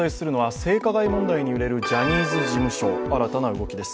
続いてお伝えするのは性加害問題に揺れるジャニーズ事務所、新たな動きです。